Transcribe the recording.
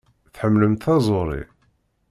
Tḥemmlemt taẓuṛi?